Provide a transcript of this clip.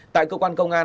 tại cơ quan công an